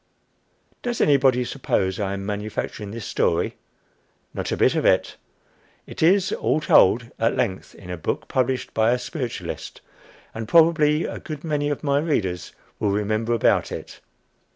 Does anybody suppose I am manufacturing this story? Not a bit of it. It is all told at length in a book published by a spiritualist; and probably a good many of my readers will remember about it.